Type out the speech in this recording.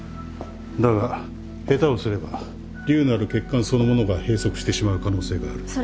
だが下手をすれば瘤のある血管そのものが閉塞してしまう可能性がある。